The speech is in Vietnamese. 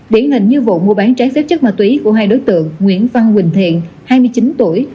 điển hình như vụ mua bán trái phép chất ma túy của hai đối tượng nguyễn văn quỳnh thiện hai mươi chín tuổi